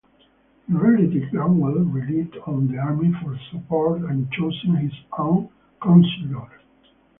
In reality Cromwell relied on the Army for support and chose his own councillors.